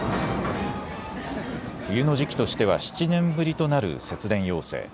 冬の時期としては７年ぶりとなる節電要請。